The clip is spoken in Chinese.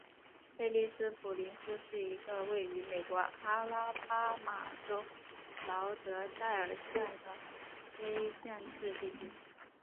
贝利斯普林斯是一个位于美国阿拉巴马州劳德代尔县的非建制地区。